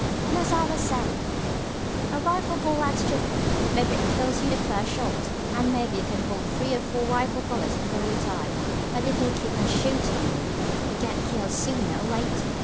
"And, as I was sayin', a rifle ball acts different. Maybe it kills you the first shot, and maybe you can hold three or four rifle bullets before you die, but if they keep on shootin' at you, you get killed sooner or later.